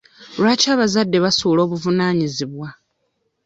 Lwaki abazadde basuula obuvunaanyizibwa?